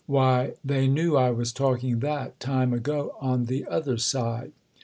Why, they knew I was talking that time ago on the other side."